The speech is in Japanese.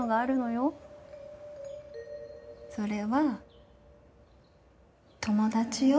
それは友達よ。